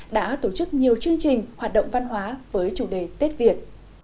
đã tổ chức nhiều chương trình hoạt động văn hóa với chủ đề tết việt